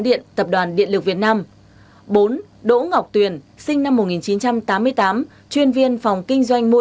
điện tập đoàn điện lực việt nam bốn đỗ ngọc tuyền sinh năm một nghìn chín trăm tám mươi tám chuyên viên phòng kinh doanh mua